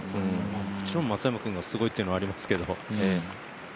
もちろん松山君がすごいっていうのはありますけど。